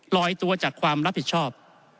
ลอยตัวจากความรับผิดชอบ